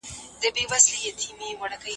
له دغه قول څخه د زړه کوم محبت مراد دی؟